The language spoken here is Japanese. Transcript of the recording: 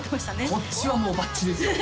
こっちはもうばっちりですよ